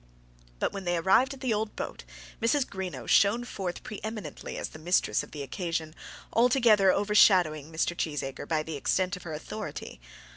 But when they arrived at the old boat, Mrs. Greenow shone forth pre eminently as the mistress of the occasion, altogether overshadowing Mr. Cheesacre by the extent of her authority.